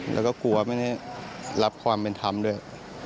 แล้วก็กลัวไม่ได้รับความเป็นธรรมด้วย